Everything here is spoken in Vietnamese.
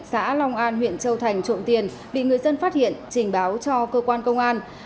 xã long an huyện châu thành trộm tiền bị người dân phát hiện trình báo cho cơ quan công an